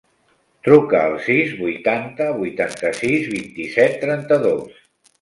Truca al sis, vuitanta, vuitanta-sis, vint-i-set, trenta-dos.